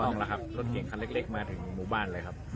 ไม่ต้องหรือครับรถเคล่งขันเล็กมาถึงหมู่บ้านเลยครับ